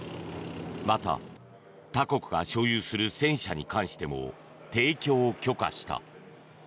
また他国が所有する戦車に関しても提供を許可した。